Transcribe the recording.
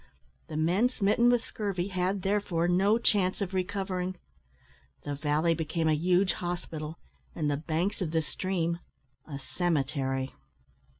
The men smitten with scurvy had, therefore, no chance of recovering. The valley became a huge hospital, and the banks of the stream a cemetery.